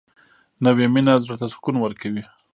نوې مینه زړه ته سکون ورکوي